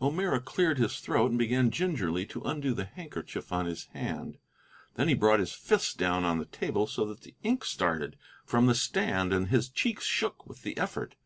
O'Meara cleared his throat and began gingerly to undo the handkerchief on his hand. Then he brought his fist down on the table so that the ink started from the stand and his cheeks shook with the effort.